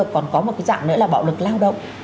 còn có một cái dạng nữa là bạo lực lao động